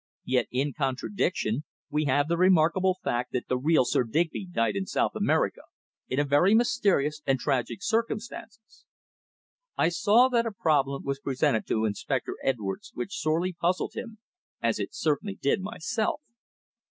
Yet, in contradiction, we have the remarkable fact that the real Sir Digby died in South America in very mysterious and tragic circumstances." I saw that a problem was presented to Inspector Edwards which sorely puzzled him, as it certainly did myself.